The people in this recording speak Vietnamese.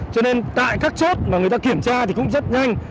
cho nên tại các chốt mà người ta kiểm tra thì cũng rất nhanh